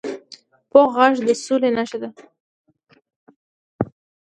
پوخ غږ د سولي نښه ده